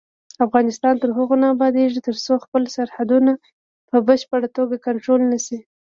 افغانستان تر هغو نه ابادیږي، ترڅو خپل سرحدونه په بشپړه توګه کنټرول نشي.